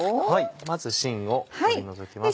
まず芯を取り除きます。